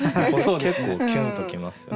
結構キュンときます。